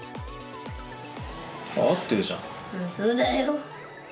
うんそうだよ。